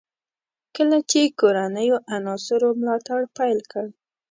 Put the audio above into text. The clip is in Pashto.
کله چې کورنیو عناصرو ملاتړ پیل کړ.